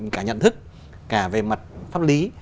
cả nhận thức cả về mặt pháp lý